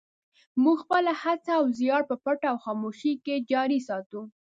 موږ خپله هڅه او زیار په پټه او خاموشۍ کې جاري ساتو.